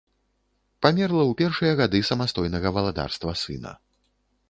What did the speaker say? Памерла ў першыя гады самастойнага валадарства сына.